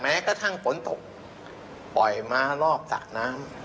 แม้กระทั่งฝนตกปล่อยม้ารอบสระน้ำ